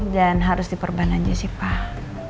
dan harus diperban aja sih pak